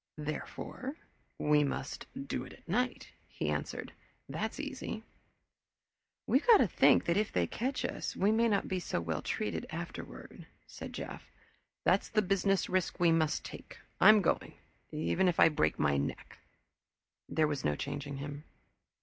"Therefore we must do it at night," he answered. "That's easy." "We've got to think that if they catch us we may not be so well treated afterward," said Jeff. "That's the business risk we must take. I'm going if I break my neck." There was no changing him.